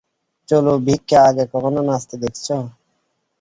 চলো ভিককে আগে কখনো নাচতে দেখেছো?